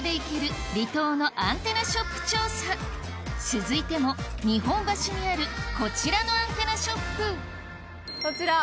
続いても日本橋にあるこちらのアンテナショップこちら。